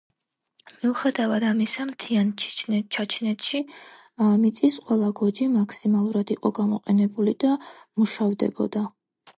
მიუხედავად ამისა, მთიან ჩაჩნეთში მიწის ყველა გოჯი მაქსიმალურად იყო გამოყენებული და მუშავდებოდა.